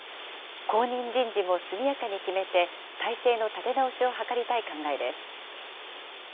後任人事も速やかに決めて、体制の立て直しを図りたい考えです。